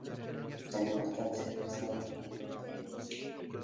Tan importante eran las aulas como los talleres.